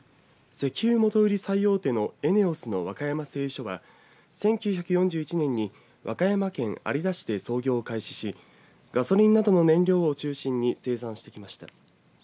石油元売り最大手のＥＮＥＯＳの和歌山製油所は１９４１年に和歌山県有田市で操業を開始しガソリンなどの燃料を中心に生産してきました。